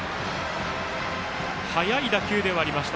速い打球ではありました。